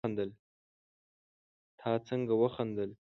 تا څنګه وخندل